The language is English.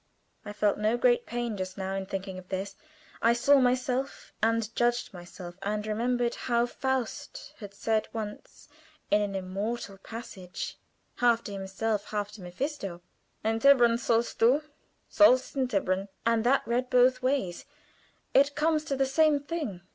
I felt no great pain just now in thinking of this. I saw myself, and judged myself, and remembered how Faust had said once, in an immortal passage, half to himself, half to Mephisto: "Entbehren sollst du; sollst entbehren." And that read both ways, it comes to the same thing.